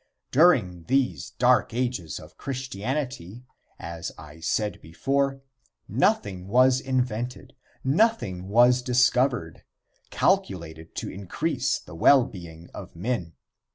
During these Dark Ages of Christianity, as I said before, nothing was invented, nothing was discovered, calculated to increase the well being of men.